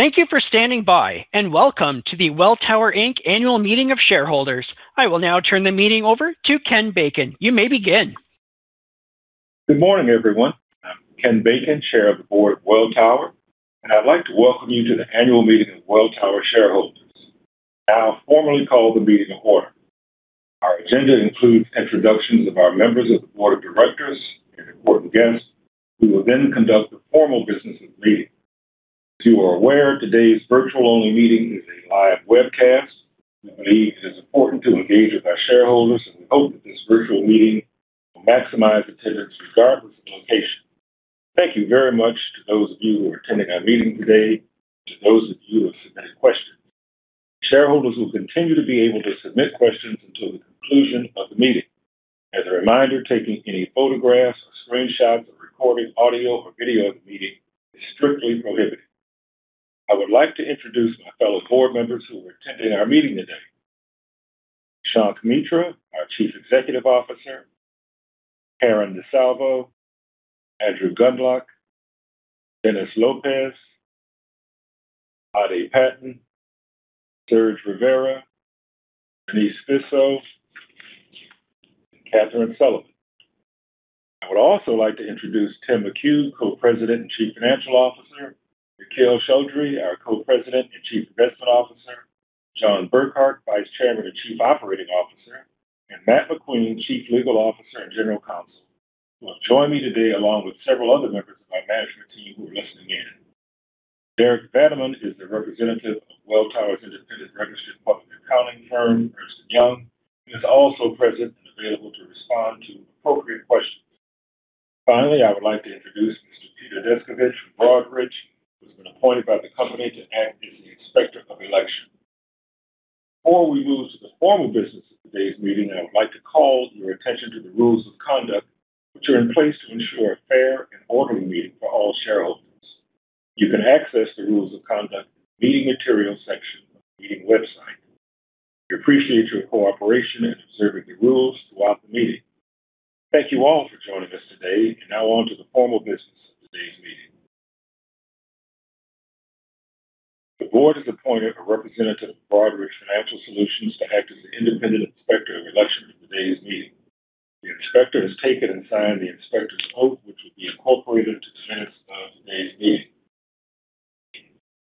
Thank you for standing by, and welcome to the Welltower Inc Annual Meeting of Shareholders. I will now turn the meeting over to Ken Bacon. You may begin. Good morning, everyone. I'm Ken Bacon, Chair of the Board of Welltower, and I'd like to welcome you to the Annual Meeting of Welltower Shareholders. I now formally call the meeting to order. Our agenda includes introductions of our members of the Board of Directors and important guests, who will then conduct the formal business of the meeting. As you are aware, today's virtual-only meeting is a live webcast. We believe it is important to engage with our shareholders, and we hope that this virtual meeting will maximize attendance regardless of location. Thank you very much to those of you who are attending our meeting today, and to those of you who have submitted questions. Shareholders will continue to be able to submit questions until the conclusion of the meeting. As a reminder, taking any photographs or screenshots or recording audio or video of the meeting is strictly prohibited. I would like to introduce my fellow board members who are attending our meeting today: Shankh Mitra, our Chief Executive Officer; Karen DeSalvo; Andrew Gundlach; Dennis Lopez; Ade Patton; Sergio Rivera; Johnese Spisso; and Kathryn Sullivan. I would also like to introduce Tim McHugh, Co-President and Chief Financial Officer; Nikhil Chaudhri, our Co-President and Chief Investment Officer; John Burkart, Vice Chairman and Chief Operating Officer; and Matt McQueen, Chief Legal Officer and General Counsel, who will join me today along with several other members of my management team who are listening in. [Derek Batteman] is the representative of Welltower's independent registered public accounting firm, Ernst & Young, and is also present and available to respond to appropriate questions. Finally, I would like to introduce Mr. Peter Descovich from Broadridge, who has been appointed by the company to act as the Inspector of Election. Before we move to the formal business of today's meeting, I would like to call your attention to the rules of conduct, which are in place to ensure a fair and orderly meeting for all shareholders. You can access the rules of conduct in the Meeting Materials section of the meeting website. We appreciate your cooperation in observing the rules throughout the meeting. Thank you all for joining us today, and now on to the formal business of today's meeting. The board has appointed a representative of Broadridge Financial Solutions to act as the independent Inspector of Election for today's meeting. The inspector has taken and signed the inspector's oath, which will be incorporated into the minutes of today's meeting.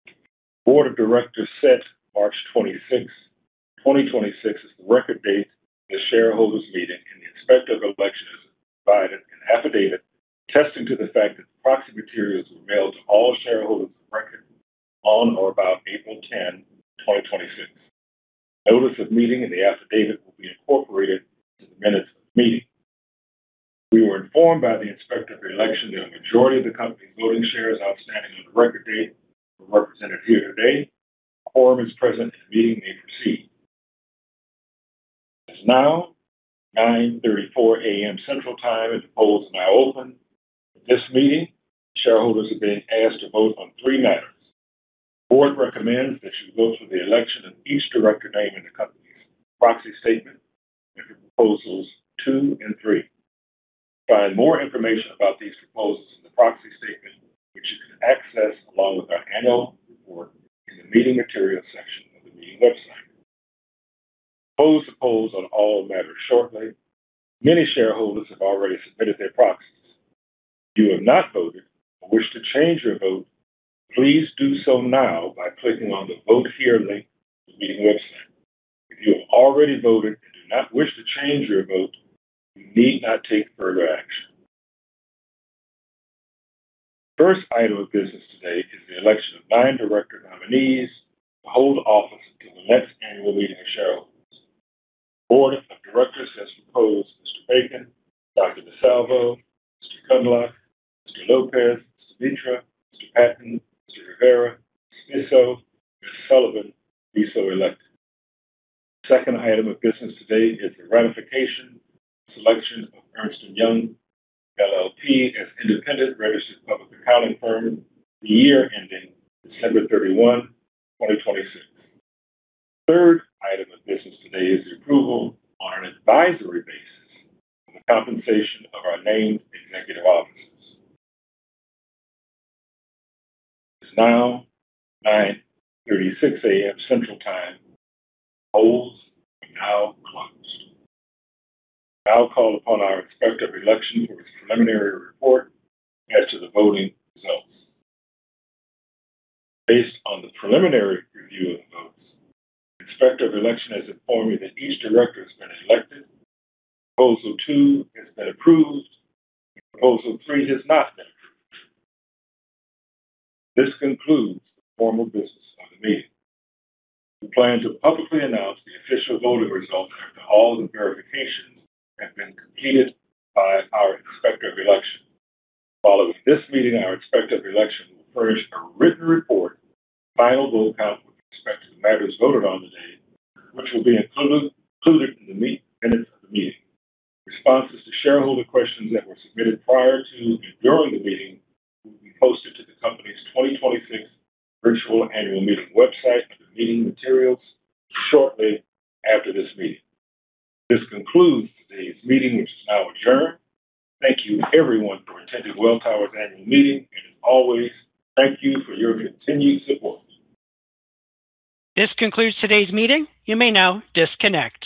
The Board of Directors set March 26th, 2026 as the record date for the shareholders meeting, and the Inspector of Election has provided an affidavit attesting to the fact that the proxy materials were mailed to all shareholders of record on or about April 10, 2026. Notice of meeting and the affidavit will be incorporated into the minutes of the meeting. We were informed by the Inspector of Election that a majority of the company's voting shares outstanding on the record date were represented here today. A quorum is present, and the meeting may proceed. It is now 9:34 A.M. Central Time. The polls are now open. At this meeting, shareholders are being asked to vote on three matters. The board recommends that you vote for the election of each director named in the company's proxy statement under Proposals 2 and 3. You can find more information about these proposals in the proxy statement, which you can access along with our Annual Report in the Meeting Materials section of the meeting website. We will close the polls on all matters shortly. Many shareholders have already submitted their proxies. If you have not voted or wish to change your vote, please do so now by clicking on the Vote Here link on the meeting website. If you have already voted and do not wish to change your vote, you need not take further action. The first item of business today is the election of nine director nominees to hold office until the next Annual Meeting of Shareholders. The Board of Directors has proposed Mr. Bacon, Dr. DeSalvo, Mr. Gundlach, Mr. Lopez, Mr. Mitra, Mr. Patton, Mr. Rivera, Ms. Spisso, and Ms. Sullivan be so elected. The second item of business today is the ratification of the selection of Ernst & Young LLP as independent registered public accounting firm for the year ending December 31, 2026. The third item of business today is the approval on an advisory basis on the compensation of our named executive officers. It is now 9:36 A.M. Central Time. The polls are now closed. I will now call upon our Inspector of Election for his preliminary report as to the voting results. Based on the preliminary review of the votes, the Inspector of Election has informed me that each director has been elected, Proposal 2 has been approved, and Proposal 3 has not been approved. This concludes the formal business of the meeting. We plan to publicly announce the official voting results after all of the verifications have been completed by our Inspector of Election. Following this meeting, our Inspector of Election will furnish a written report with the final vote count with respect to the matters voted on today, which will be included in the minutes of the meeting. Responses to shareholder questions that were submitted prior to and during the meeting will be posted to the company's 2026 virtual annual meeting website under Meeting Materials shortly after this meeting. This concludes today's meeting, which is now adjourned. Thank you everyone for attending Welltower's Annual Meeting, and as always, thank you for your continued support. This concludes today's meeting. You may now disconnect.